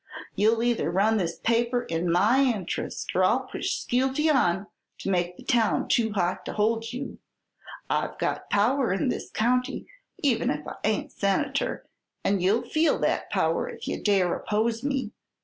You'll either run this paper in my interest or I'll push Skeelty on to make the town too hot to hold you. I've got power in this county, even if I ain't senator, and you'll feel that power if you dare oppose me.